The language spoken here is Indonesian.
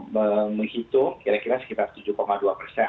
menghitung kira kira sekitar tujuh dua persen